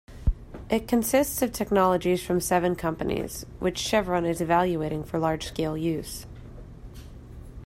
It consists of technologies from seven companies, which Chevron is evaluating for large-scale use.